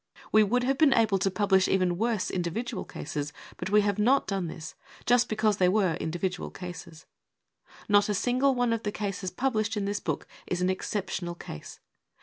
We would have been able to publish even worse individual eases, but we have not done this, just because they were in dividual cases. Not a single one of the cases published in this book is an exceptional case.